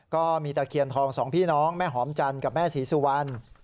ก็มีตะเคียนทอง๒พี่น้องแม่หอมจันกับแม่ศรีสุวรรณ